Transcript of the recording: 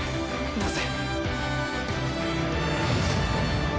なぜ。